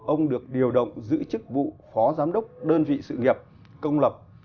ông được điều động giữ chức vụ phó giám đốc đơn vị sự nghiệp công lập